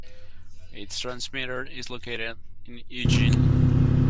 Its transmitter is located in Eugene.